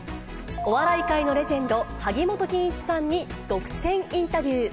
お笑い界のレジェンド、萩本欽一さんに独占インタビュー。